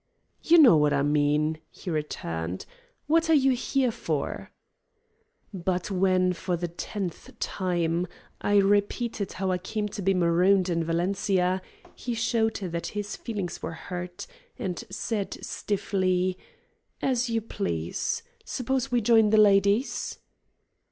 "You know what I mean," he returned. "What are you here for?" But when, for the tenth time, I repeated how I came to be marooned in Valencia he showed that his feelings were hurt, and said stiffly: "As you please. Suppose we join the ladies."